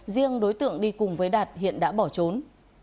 riêng đối tượng đi cùng với đạt hiện đã bỏ trốn